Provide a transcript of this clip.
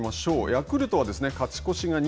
ヤクルトは勝ち越しが２４。